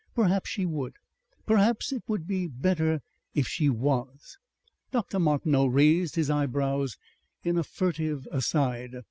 "Perhaps she would. Perhaps it would be better if she was." Dr. Martineau raised his eyebrows in a furtive aside.